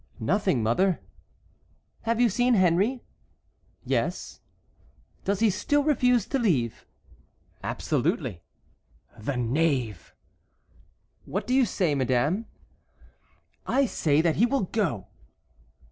"Nothing, mother." "Have you seen Henry?" "Yes." "Does he still refuse to leave?" "Absolutely." "The knave!" "What do you say, madame?" "I say that he will go."